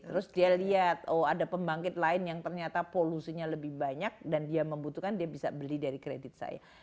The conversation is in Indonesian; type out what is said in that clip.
terus dia lihat oh ada pembangkit lain yang ternyata polusinya lebih banyak dan dia membutuhkan dia bisa beli dari kredit saya